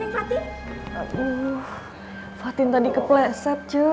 aduh fatin tadi kepleset cu